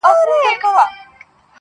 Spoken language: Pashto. لاس یې مات وار یې خطا ګذار یې پوچ کړې.